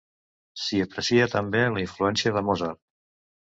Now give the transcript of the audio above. S'hi aprecia també la influència de Mozart.